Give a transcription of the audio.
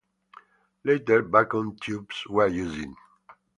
Later, vacuum tubes were used.